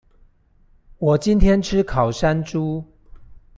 我今天吃烤山豬